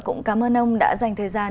cũng cảm ơn ông đã dành thời gian